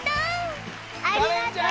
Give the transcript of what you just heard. ありがとう！